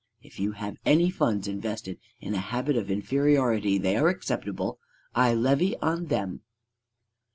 If you have any funds invested in a habit of inferiority, they are acceptable: I levy on them.